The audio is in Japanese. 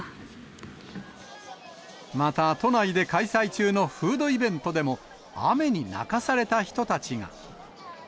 また、都内で開催中のフードイベントでも、雨に泣かされた人たちが。